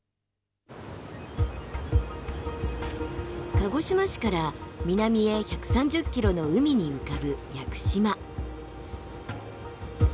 鹿児島市から南へ１３０ｋｍの海に浮かぶ屋久島。